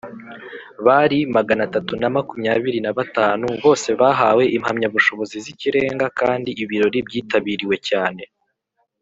bari magana atatu na makumyabiri nabatanu bose bahawe impamyabushobozi z’Ikirenga kandi ibirori byitabiriwe cyane.